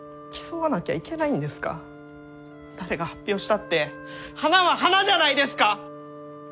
誰が発表したって花は花じゃないですか！